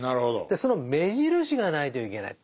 でその目印がないといけない。